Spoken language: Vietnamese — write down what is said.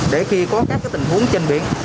để khi có các cái tình huống trên biển